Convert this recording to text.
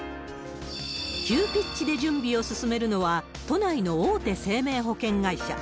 急ピッチで準備を進めるのは、都内の大手生命保険会社。